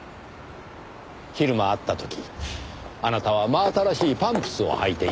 昼間会った時あなたは真新しいパンプスを履いていました。